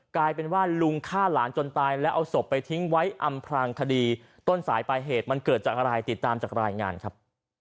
กลายเป็นว่าลุงฆ่าหลานจนตายแล้วเอาศพไปทิ้งไว้อำพลางคดีต้นสายปลายเหตุมันเกิดจากอะไรติดตามจากรายงานครับ